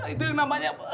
itu yang namanya